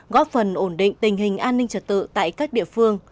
góp phần ổn định tình hình an ninh trật tự tại các địa phương